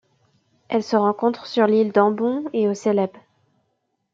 Elle se rencontre sur l'île d'Ambon et aux Célèbes.